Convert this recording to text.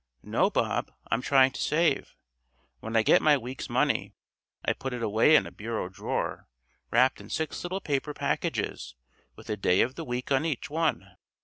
"No, Bob. I'm tryin' to save. When I get my week's money I put it away in a bureau drawer, wrapped in six little paper packages with a day of the week on each one.